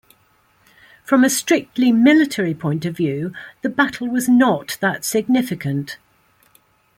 From a strictly military point of view, the battle was not that significant.